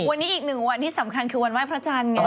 วันนี้อีกหนึ่งวันที่สำคัญคือวันไห้พระจันทร์ไง